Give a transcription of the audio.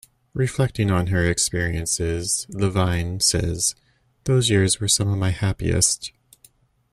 Reflecting on her experiences, Levine says those years were some of my happiest.